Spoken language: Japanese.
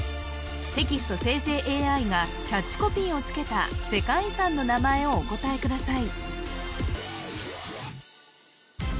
テキスト生成ＡＩがキャッチコピーをつけた世界遺産の名前をお答えください